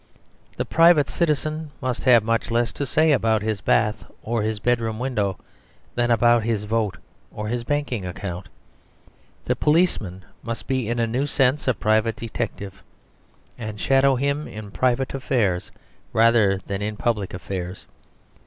The private citizen must have much less to say about his bath or his bedroom window than about his vote or his banking account. The policeman must be in a new sense a private detective; and shadow him in private affairs rather than in public affairs.